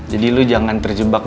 jadi lo jangan terjebak